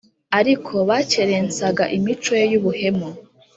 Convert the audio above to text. ariko bakerensaga imico ye y’ubuhemu